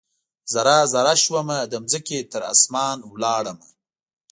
ذره ، ذره شومه د مځکې، تراسمان ولاړمه